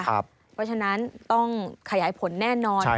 เพราะฉะนั้นต้องขยายผลแน่นอน